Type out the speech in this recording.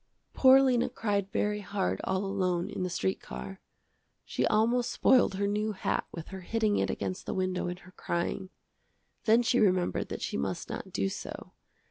Poor Lena cried very hard all alone in the street car. She almost spoiled her new hat with her hitting it against the window in her crying. Then she remembered that she must not do so.